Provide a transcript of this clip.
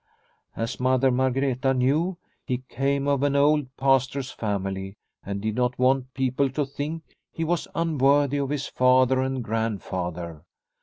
As Mother Margreta knew, he came of an old Pastor's family, and did not want people to think he was unworthy of his father and grandfather.